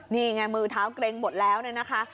นี่ไงมือเท้าเกร็งหมดแล้วเนี่ยนะคะ